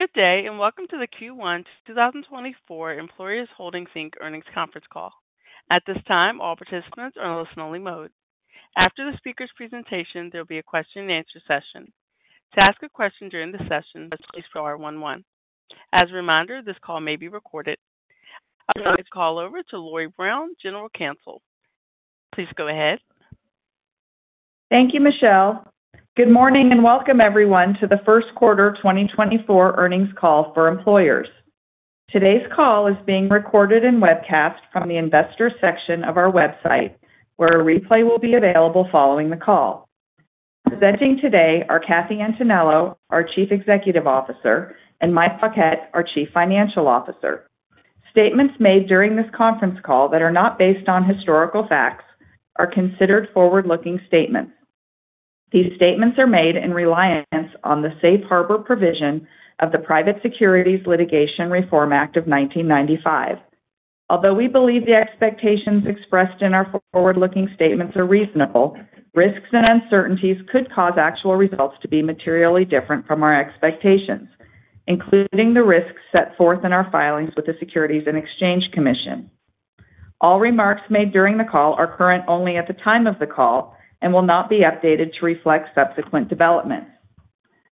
Good day and welcome to the Q1 2024 Employers Holdings Inc. earnings conference call. At this time, all participants are in listen-only mode. After the speaker's presentation, there will be a question-and-answer session. To ask a question during the session, please press one. As a reminder, this call may be recorded. I'll now turn the call over to Lori Brown, General Counsel. Please go ahead. Thank you, Michelle. Good morning and welcome, everyone, to the first quarter 2024 earnings call for Employers. Today's call is being recorded and webcast from the investor section of our website, where a replay will be available following the call. Presenting today are Kathy Antonello, our Chief Executive Officer, and Mike Paquette, our Chief Financial Officer. Statements made during this conference call that are not based on historical facts are considered forward-looking statements. These statements are made in reliance on the Safe Harbor provision of the Private Securities Litigation Reform Act of 1995. Although we believe the expectations expressed in our forward-looking statements are reasonable, risks and uncertainties could cause actual results to be materially different from our expectations, including the risks set forth in our filings with the Securities and Exchange Commission. All remarks made during the call are current only at the time of the call and will not be updated to reflect subsequent developments.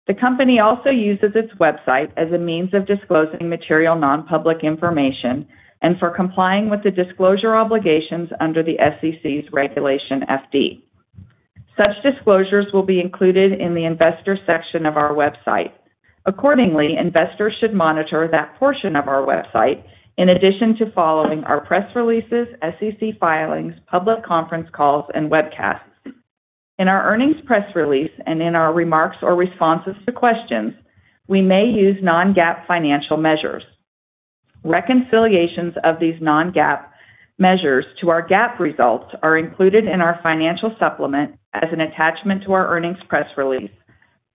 The company also uses its website as a means of disclosing material nonpublic information and for complying with the disclosure obligations under the SEC's Regulation FD. Such disclosures will be included in the investor section of our website. Accordingly, investors should monitor that portion of our website in addition to following our press releases, SEC filings, public conference calls, and webcasts. In our earnings press release and in our remarks or responses to questions, we may use non-GAAP financial measures. Reconciliations of these non-GAAP measures to our GAAP results are included in our financial supplement as an attachment to our earnings press release,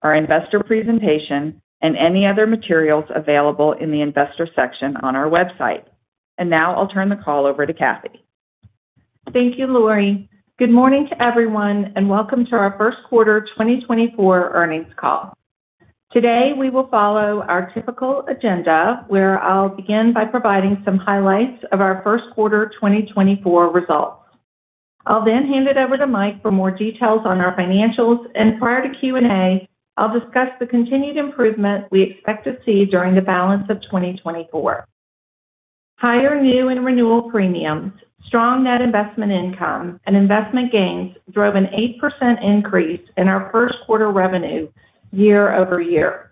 our investor presentation, and any other materials available in the investor section on our website. Now I'll turn the call over to Kathy. Thank you, Lori. Good morning to everyone and welcome to our first quarter 2024 earnings call. Today, we will follow our typical agenda, where I'll begin by providing some highlights of our first quarter 2024 results. I'll then hand it over to Mike for more details on our financials, and prior to Q&A, I'll discuss the continued improvement we expect to see during the balance of 2024. Higher new and renewal premiums, strong net investment income, and investment gains drove an 8% increase in our first quarter revenue year-over-year.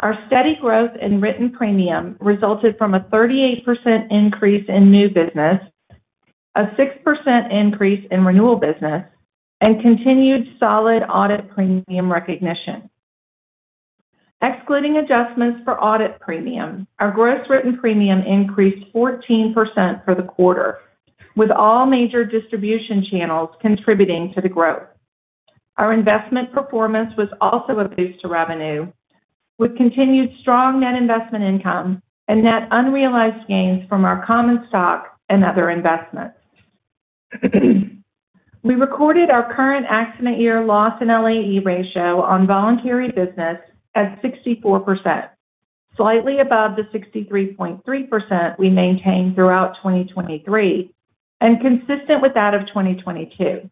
Our steady growth in written premium resulted from a 38% increase in new business, a 6% increase in renewal business, and continued solid audit premium recognition. Excluding adjustments for audit premium, our gross written premium increased 14% for the quarter, with all major distribution channels contributing to the growth. Our investment performance was also a boost to revenue with continued strong net investment income and net unrealized gains from our common stock and other investments. We recorded our current accident year loss and LAE ratio on voluntary business at 64%, slightly above the 63.3% we maintained throughout 2023 and consistent with that of 2022.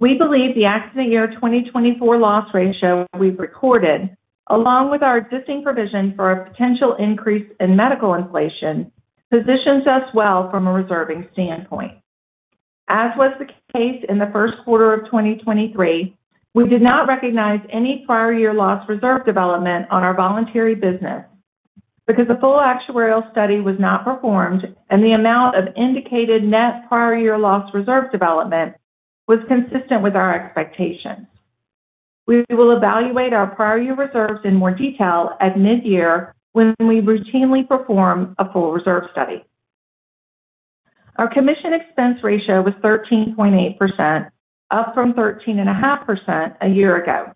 We believe the accident year 2024 loss ratio we've recorded, along with our existing provision for a potential increase in medical inflation, positions us well from a reserving standpoint. As was the case in the first quarter of 2023, we did not recognize any prior year loss reserve development on our voluntary business because the full actuarial study was not performed and the amount of indicated net prior year loss reserve development was consistent with our expectations. We will evaluate our prior year reserves in more detail at midyear when we routinely perform a full reserve study. Our commission expense ratio was 13.8%, up from 13.5% a year ago.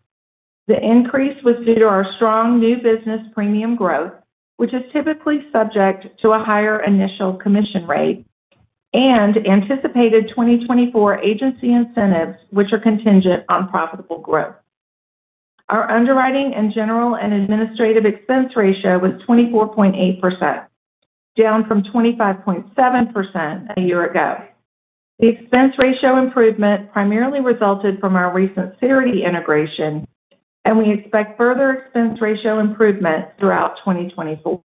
The increase was due to our strong new business premium growth, which is typically subject to a higher initial commission rate, and anticipated 2024 agency incentives, which are contingent on profitable growth. Our underwriting and general and administrative expense ratio was 24.8%, down from 25.7% a year ago. The expense ratio improvement primarily resulted from our recent Cerity integration, and we expect further expense ratio improvement throughout 2024.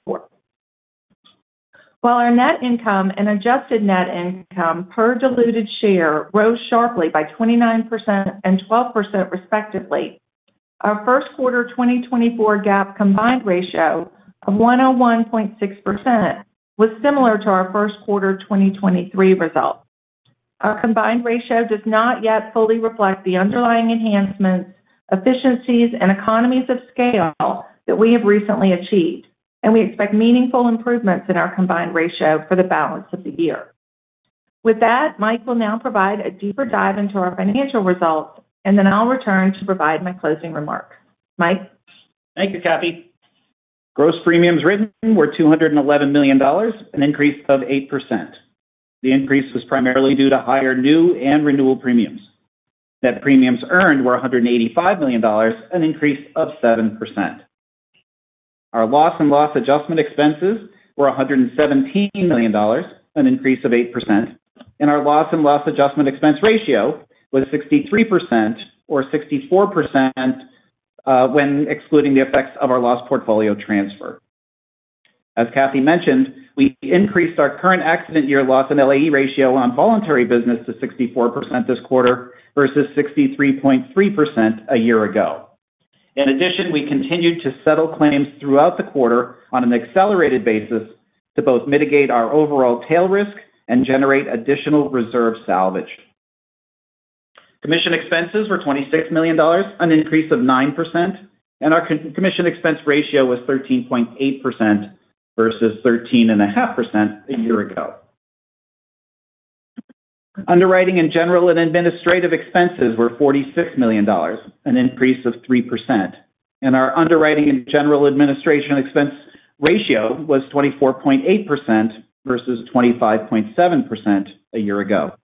While our net income and adjusted net income per diluted share rose sharply by 29% and 12% respectively, our first quarter 2024 GAAP combined ratio of 101.6% was similar to our first quarter 2023 results. Our combined ratio does not yet fully reflect the underlying enhancements, efficiencies, and economies of scale that we have recently achieved, and we expect meaningful improvements in our combined ratio for the balance of the year. With that, Mike will now provide a deeper dive into our financial results, and then I'll return to provide my closing remarks. Mike? Thank you, Kathy. Gross premiums written were $211 million, an increase of 8%. The increase was primarily due to higher new and renewal premiums. Net premiums earned were $185 million, an increase of 7%. Our loss and loss adjustment expenses were $117 million, an increase of 8%, and our loss and loss adjustment expense ratio was 63% or 64% when excluding the effects of our loss portfolio transfer. As Kathy mentioned, we increased our current accident year loss and LAE ratio on voluntary business to 64% this quarter versus 63.3% a year ago. In addition, we continued to settle claims throughout the quarter on an accelerated basis to both mitigate our overall tail risk and generate additional reserve salvage. Commission expenses were $26 million, an increase of 9%, and our commission expense ratio was 13.8% versus 13.5% a year ago. Underwriting and general and administrative expenses were $46 million, an increase of 3%, and our underwriting and general administration expense ratio was 24.8% versus 25.7% a year ago.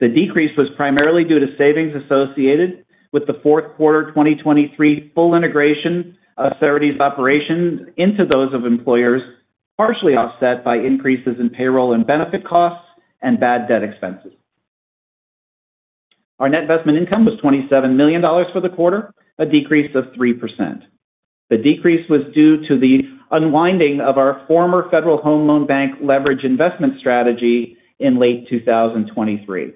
The decrease was primarily due to savings associated with the fourth quarter 2023 full integration of Cerity's operations into those of Employers, partially offset by increases in payroll and benefit costs and bad debt expenses. Our net investment income was $27 million for the quarter, a decrease of 3%. The decrease was due to the unwinding of our former Federal Home Loan Bank leverage investment strategy in late 2023.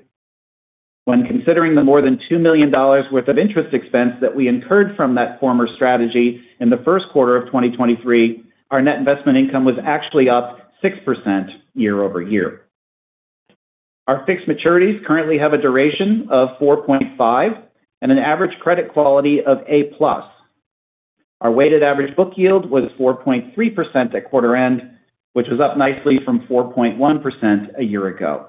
When considering the more than $2 million worth of interest expense that we incurred from that former strategy in the first quarter of 2023, our net investment income was actually up 6% year-over-year. Our fixed maturities currently have a duration of 4.5 and an average credit quality of A+. Our weighted average book yield was 4.3% at quarter end, which was up nicely from 4.1% a year ago.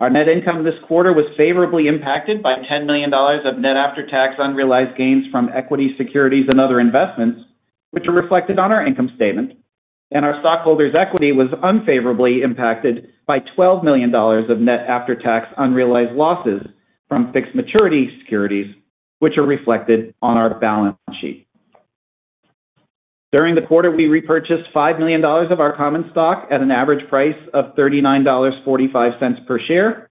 Our net income this quarter was favorably impacted by $10 million of net after-tax unrealized gains from equity securities and other investments, which are reflected on our income statement, and our stockholders' equity was unfavorably impacted by $12 million of net after-tax unrealized losses from fixed maturity securities, which are reflected on our balance sheet. During the quarter, we repurchased $5 million of our common stock at an average price of $39.45 per share,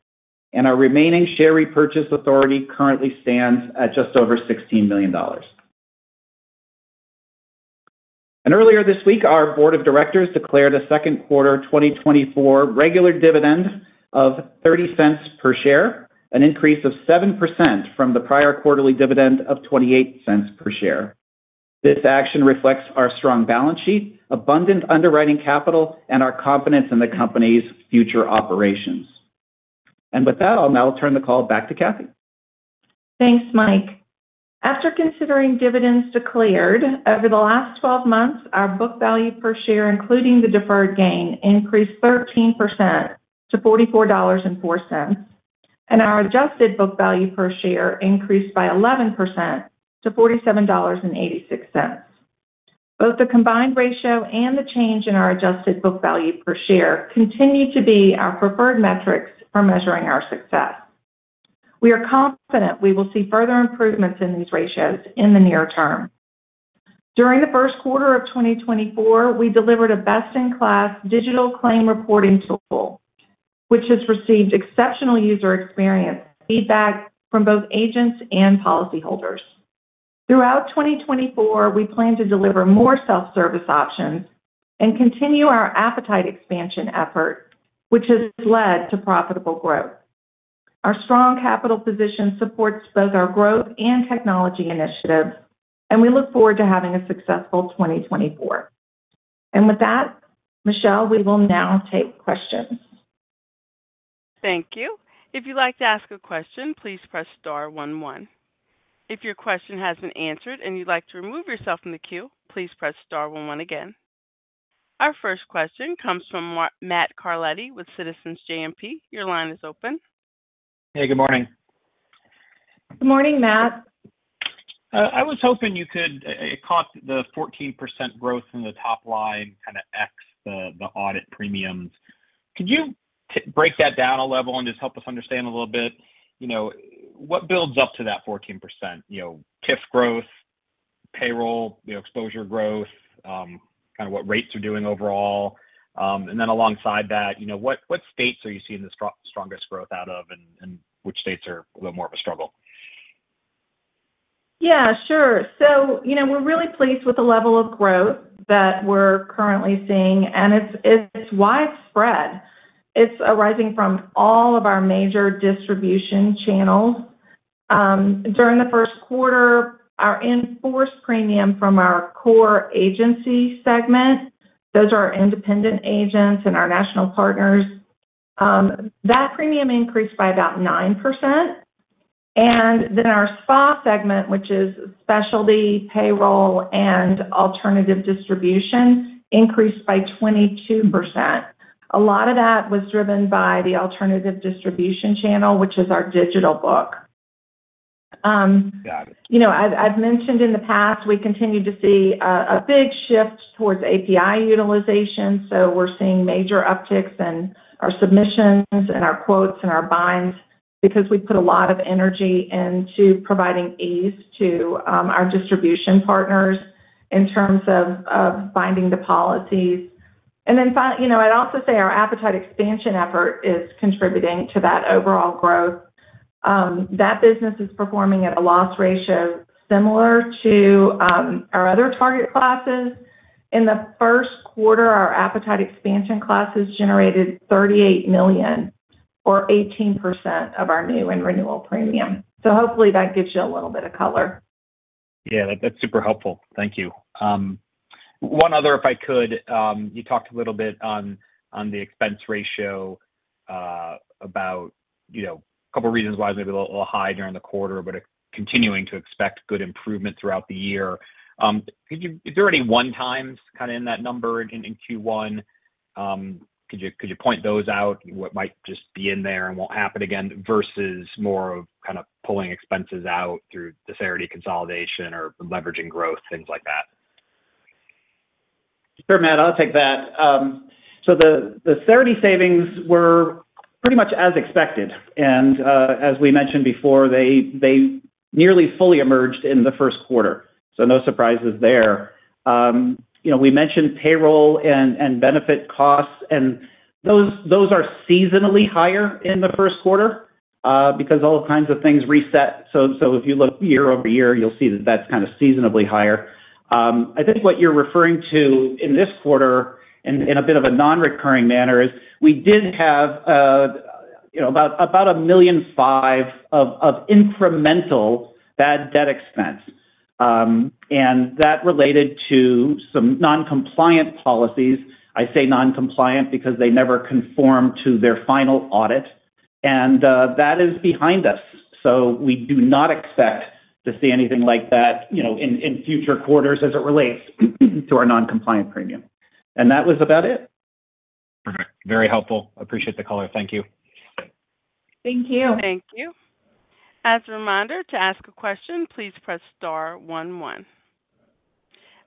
and our remaining share repurchase authority currently stands at just over $16 million. Earlier this week, our board of directors declared a second quarter 2024 regular dividend of $0.30 per share, an increase of 7% from the prior quarterly dividend of $0.28 per share. This action reflects our strong balance sheet, abundant underwriting capital, and our confidence in the company's future operations. With that, I'll now turn the call back to Kathy. Thanks, Mike. After considering dividends declared over the last 12 months, our book value per share, including the deferred gain, increased 13% to $44.04, and our adjusted book value per share increased by 11% to $47.86. Both the combined ratio and the change in our adjusted book value per share continue to be our preferred metrics for measuring our success. We are confident we will see further improvements in these ratios in the near term. During the first quarter of 2024, we delivered a best-in-class digital claim reporting tool, which has received exceptional user experience feedback from both agents and policyholders. Throughout 2024, we plan to deliver more self-service options and continue our appetite expansion effort, which has led to profitable growth. Our strong capital position supports both our growth and technology initiatives, and we look forward to having a successful 2024. With that, Michelle, we will now take questions. Thank you. If you'd like to ask a question, please press star one one. If your question has been answered and you'd like to remove yourself from the queue, please press star one one again. Our first question comes from Matt Carletti with Citizens JMP. Your line is open. Hey, good morning. Good morning, Matt. I was hoping you could comment on the 14% growth in the top line kind of ex the audit premiums. Could you break that down a level and just help us understand a little bit? What builds up to that 14%? TIF growth, payroll, exposure growth, kind of what rates are doing overall? And then alongside that, what states are you seeing the strongest growth out of and which states are a little more of a struggle? Yeah, sure. So we're really pleased with the level of growth that we're currently seeing, and it's widespread. It's arising from all of our major distribution channels. During the first quarter, our in-force premium from our core agency segment, those are our independent agents and our national partners, that premium increased by about 9%. And then our SPA segment, which is specialty, payroll, and alternative distribution, increased by 22%. A lot of that was driven by the alternative distribution channel, which is our digital book. I've mentioned in the past, we continue to see a big shift towards API utilization. So we're seeing major upticks in our submissions and our quotes and our binds because we put a lot of energy into providing ease to our distribution partners in terms of binding the policies. And then I'd also say our appetite expansion effort is contributing to that overall growth. That business is performing at a loss ratio similar to our other target classes. In the first quarter, our appetite expansion classes generated $38 million or 18% of our new and renewal premium. So hopefully, that gives you a little bit of color. Yeah, that's super helpful. Thank you. One other, if I could, you talked a little bit on the expense ratio about a couple of reasons why it's maybe a little high during the quarter, but continuing to expect good improvement throughout the year. Is there any one times kind of in that number in Q1? Could you point those out? What might just be in there and won't happen again versus more of kind of pulling expenses out through the Cerity consolidation or leveraging growth, things like that? Sure, Matt. I'll take that. The Cerity savings were pretty much as expected. And as we mentioned before, they nearly fully emerged in the first quarter. No surprises there. We mentioned payroll and benefit costs, and those are seasonally higher in the first quarter because all kinds of things reset. So if you look year-over-year, you'll see that that's kind of seasonally higher. I think what you're referring to in this quarter in a bit of a non-recurring manner is we did have about $1.5 million of incremental bad debt expense. And that related to some non-compliant policies. I say non-compliant because they never conform to their final audit. And that is behind us. So we do not expect to see anything like that in future quarters as it relates to our non-compliant premium. And that was about it. Perfect. Very helpful. Appreciate the color. Thank you. Thank you. Thank you. As a reminder, to ask a question, please press star one one.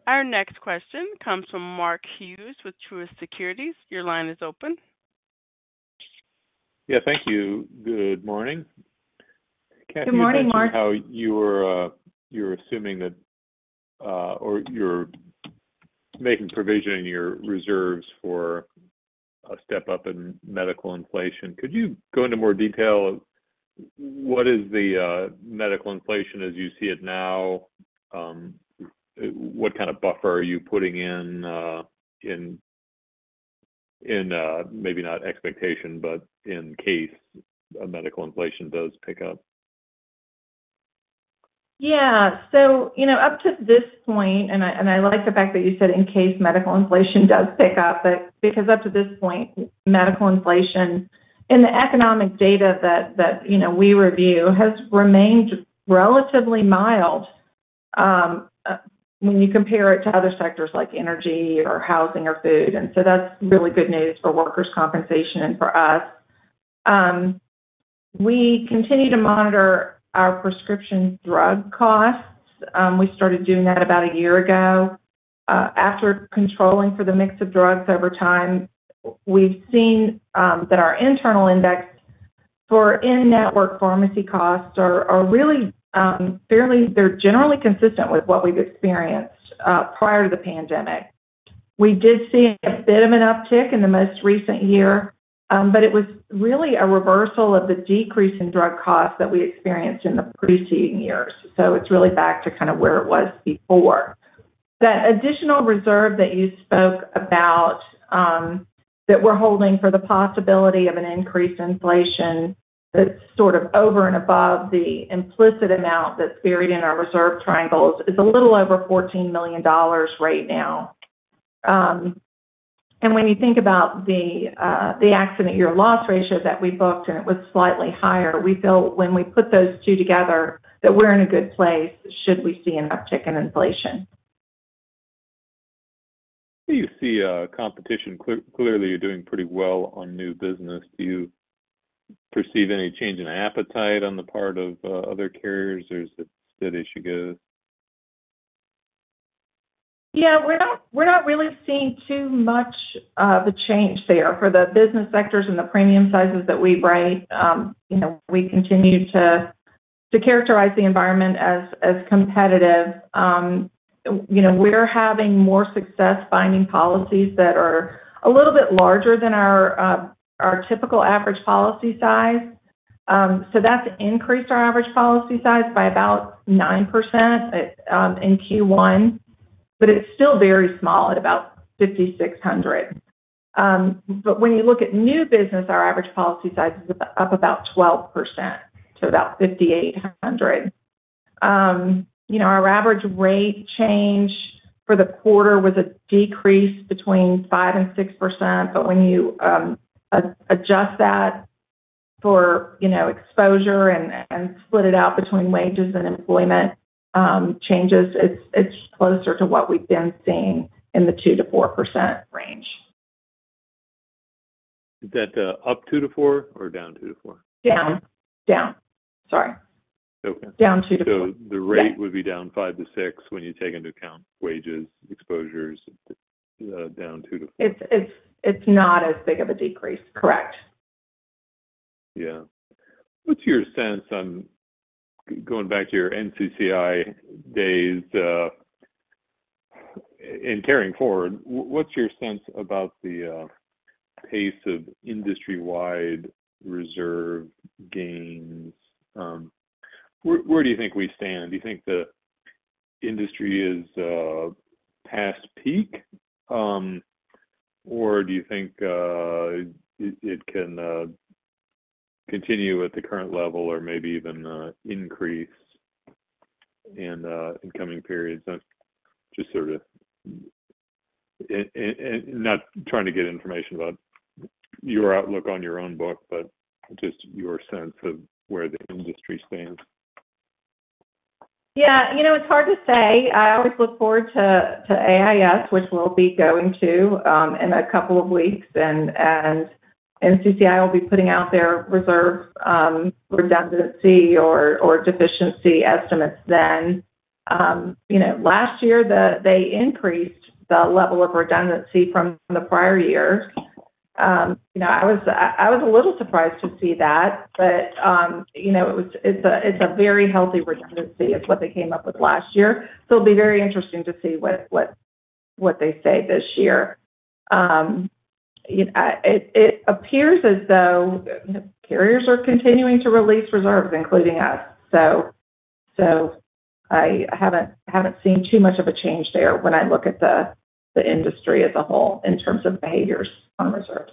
Our next question comes from Mark Hughes with Truist Securities. Your line is open. Yeah, thank you. Good morning. Kathy. Good morning, Mark. I'm wondering how you were assuming that or you're making provision in your reserves for a step up in medical inflation? Could you go into more detail? What is the medical inflation as you see it now? What kind of buffer are you putting in maybe not expectation, but in case medical inflation does pick up? Yeah. So up to this point, and I like the fact that you said in case medical inflation does pick up, because up to this point, medical inflation in the economic data that we review has remained relatively mild when you compare it to other sectors like energy or housing or food. And so that's really good news for workers' compensation and for us. We continue to monitor our prescription drug costs. We started doing that about a year ago. After controlling for the mix of drugs over time, we've seen that our internal index for in-network pharmacy costs are really fairly they're generally consistent with what we've experienced prior to the pandemic. We did see a bit of an uptick in the most recent year, but it was really a reversal of the decrease in drug costs that we experienced in the preceding years. So it's really back to kind of where it was before. That additional reserve that you spoke about that we're holding for the possibility of an increase in inflation that's sort of over and above the implicit amount that's buried in our reserve triangles is a little over $14 million right now. And when you think about the accident year loss ratio that we booked, and it was slightly higher, we feel when we put those two together that we're in a good place should we see an uptick in inflation. Do you see competition? Clearly, you're doing pretty well on new business. Do you perceive any change in appetite on the part of other carriers, or is it steady as you go? Yeah, we're not really seeing too much of a change there. For the business sectors and the premium sizes that we write, we continue to characterize the environment as competitive. We're having more success finding policies that are a little bit larger than our typical average policy size. So that's increased our average policy size by about 9% in Q1, but it's still very small at about 5,600. But when you look at new business, our average policy size is up about 12% to about 5,800. Our average rate change for the quarter was a decrease between 5%-6%, but when you adjust that for exposure and split it out between wages and employment changes, it's closer to what we've been seeing in the 2%-4% range. Is that up 2%-4% or down 2%-4%? Sorry. Down 2%-4%. The rate would be down 5%-6% when you take into account wages, exposures, down 2%-4%? It's not as big of a decrease. Correct. Yeah. What's your sense on going back to your NCCI days and carrying forward, what's your sense about the pace of industry-wide reserve gains? Where do you think we stand? Do you think the industry is past peak, or do you think it can continue at the current level or maybe even increase in coming periods? Just sort of not trying to get information about your outlook on your own book, but just your sense of where the industry stands. Yeah, it's hard to say. I always look forward to AIS, which we'll be going to in a couple of weeks. NCCI will be putting out their reserve redundancy or deficiency estimates then. Last year, they increased the level of redundancy from the prior year. I was a little surprised to see that, but it's a very healthy redundancy, is what they came up with last year. It'll be very interesting to see what they say this year. It appears as though carriers are continuing to release reserves, including us. I haven't seen too much of a change there when I look at the industry as a whole in terms of behaviors on reserves.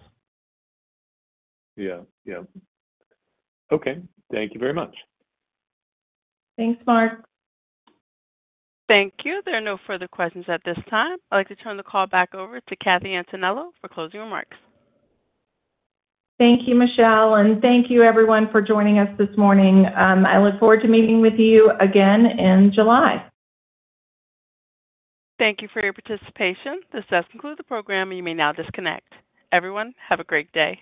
Yeah. Yeah. Okay. Thank you very much. Thanks, Mark. Thank you. There are no further questions at this time. I'd like to turn the call back over to Kathy Antonello for closing remarks. Thank you, Michelle. Thank you, everyone, for joining us this morning. I look forward to meeting with you again in July. Thank you for your participation. This does conclude the program, and you may now disconnect. Everyone, have a great day.